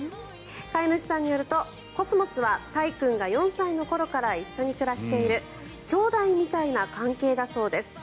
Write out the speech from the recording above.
飼い主さんによるとコスモスはたい君が４歳の頃から一緒に暮らしている兄弟みたいな関係だそうです。